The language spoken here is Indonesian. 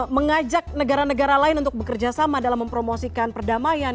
mengajak negara negara lain untuk bekerjasama dalam mempromosikan perdamaian